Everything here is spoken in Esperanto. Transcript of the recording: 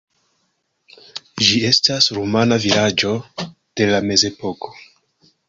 Ĝi estas rumana vilaĝo de la mezepoko.